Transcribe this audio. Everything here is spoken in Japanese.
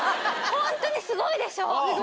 本当にすごいでしょ？